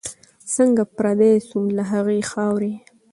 څنګه پردی سوم له هغي خاوري